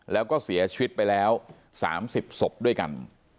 แล้วก็เสียชีวิตไปแล้ว๓๐ศพด้วยกัน